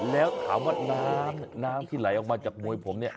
แล้วถามว่าน้ำน้ำที่ไหลออกมาจากมวยผมเนี่ย